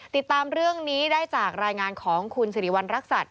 ติดตามเรื่องนี้ได้จากรายงานของคุณสิริวัณรักษัตริย